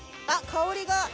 あっ香りが。